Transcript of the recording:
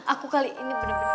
aku kali ini bener bener